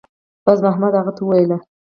بازمحمد هغه ته وویل